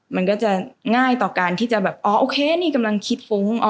มันก็จะง่ายต่อการที่จะแบบอ๋อโอเคนี่กำลังคิดฟุ้ง